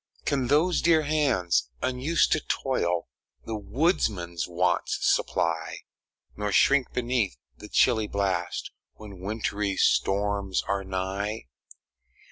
Can those dear hands, unused to toil, The woodman's wants supply, Nor shrink beneath the chilly blast When wintry storms are nigh?